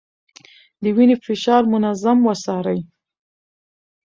د وينې فشار منظم وڅارئ.